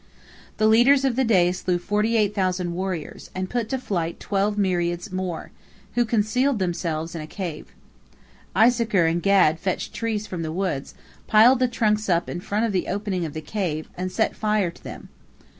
The leaders of the day slew forty eight thousand warriors, and put to flight twelve myriads more, who concealed themselves in a cave. Issachar and Gad fetched trees from the woods, piled the trunks up in front of the opening of the cave, and set fire to them.